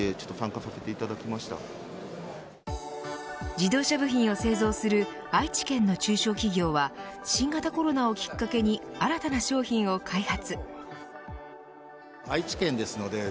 自動車部品を製造する愛知県の中小企業は新型コロナをきっかけに新たな商品を開発。